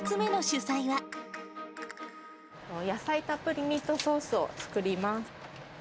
野菜たっぷりミートソースを作ります。